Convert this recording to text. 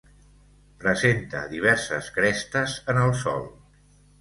Presenta diverses crestes en el sòl.